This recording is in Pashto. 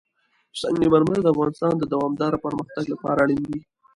سنگ مرمر د افغانستان د دوامداره پرمختګ لپاره اړین دي.